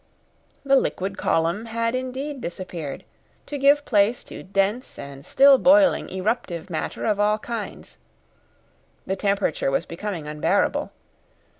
The liquid column had indeed disappeared, to give place to dense and still boiling eruptive matter of all kinds. The temperature was becoming unbearable.